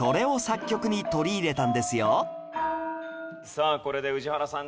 さあこれで宇治原さん